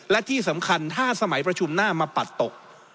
และที่สำคัญถ้าสมัยประชุมหน้ามาปัดตก